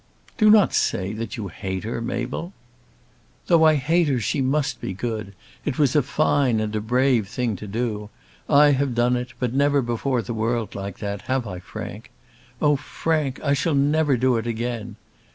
"Do not say that you hate her, Mabel." "Though I hate her she must be good. It was a fine and a brave thing to do. I have done it; but never before the world like that; have I, Frank? Oh, Frank, I shall never do it again.